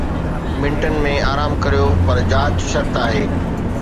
منٽن ۾ آرام ڪريو، پر جاچ شرط آهي.